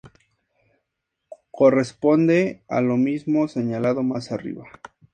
Corresponde a lo mismo señalado más arriba.